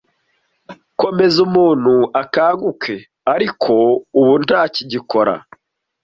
Komeza umuntu akanguke ariko ubu ntakigikora,